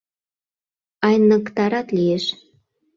— Айныктарат лиеш...